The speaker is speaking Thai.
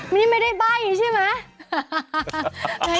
นี่ไม่ได้ใบ้ใช่มั้ย